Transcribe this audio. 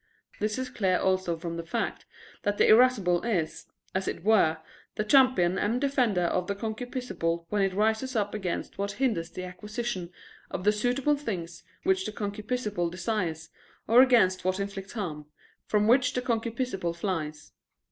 This is clear also from the fact that the irascible is, as it were, the champion and defender of the concupiscible when it rises up against what hinders the acquisition of the suitable things which the concupiscible desires, or against what inflicts harm, from which the concupiscible flies.